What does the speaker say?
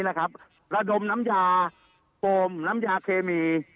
ระดมน้ำยาโฟมน้ำยาเคมี